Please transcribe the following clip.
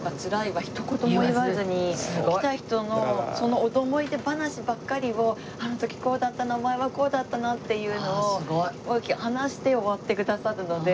来た人のその思い出話ばっかりをあの時こうだったなお前はこうだったなっていうのを話して終わってくださるので。